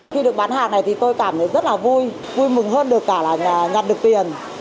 khi được bán hàng này thì tôi cảm thấy rất là vui vui mừng hơn được cả là nhặt được tiền